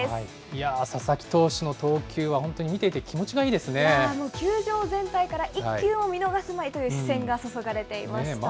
いやー、佐々木投手の投球は本当に見ていて気持ちがいいです本当、球場全体から一球も見逃すまいという視線が注がれていました。